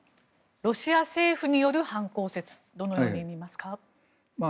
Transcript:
ロシア政府による犯行説どのように見ますか。